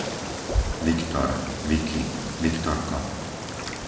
Viktor, Viki, Viktorko